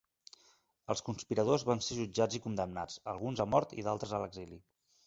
Els conspiradors van ser jutjats i condemnats, alguns a mort i d'altres a l'exili.